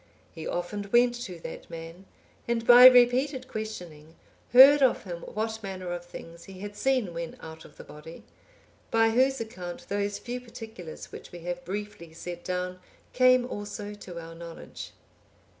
He often went to that man, and by repeated questioning, heard of him what manner of things he had seen when out of the body; by whose account those few particulars which we have briefly set down came also to our knowledge.